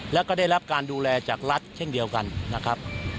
แล้วก็ได้รับการดูแลจากรัฐเช่นเดียวกันนะครับ